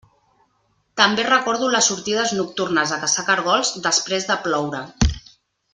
També recordo les sortides nocturnes a caçar caragols després de ploure.